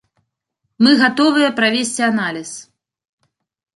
Мы гатовыя правесці аналіз.